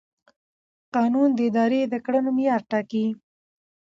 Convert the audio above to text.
قانون د ادارې د کړنو معیار ټاکي.